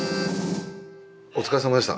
お疲れさまでした。